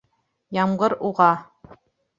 Ямғыр уға: